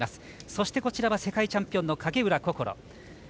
そして世界チャンピオンの影浦心。